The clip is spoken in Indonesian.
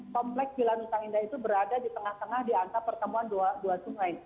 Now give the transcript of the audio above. kompleks vilanusa indah itu berada di tengah tengah di antar pertemuan dua sungai